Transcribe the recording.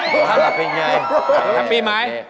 สักไปไง